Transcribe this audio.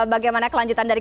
bagaimana kelanjutan dari